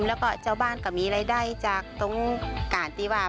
แล้วก็ชาวบ้านก็มีรายได้จากตรงการที่ว่า